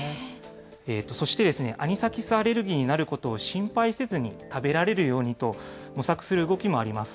そして、アニサキスアレルギーになることを心配せずに食べられるようにと模索する動きもあります。